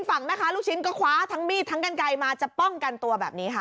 ฝั่งแม่ค้าลูกชิ้นก็คว้าทั้งมีดทั้งกันไกลมาจะป้องกันตัวแบบนี้ค่ะ